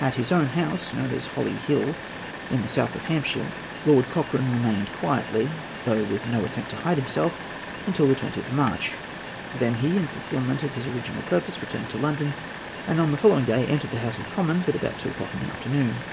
At his own house, known as Holly Hill, in the south of Hampshire, Lord Cochrane remained quietly, though with no attempt to hide himself, until the 20th of March. He then, in fulfilment of his original purpose, returned to London, and on the following day entered the House of Commons at about two o'clock in the afternoon.